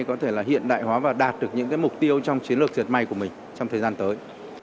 có thể là hiện đại hóa và đạt được những mục tiêu trong chiến lược dệt may của mình trong thời gian tới